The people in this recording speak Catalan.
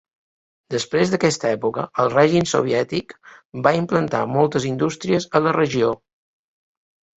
Després d'aquesta època el règim soviètic va implantar moltes indústries a la regió.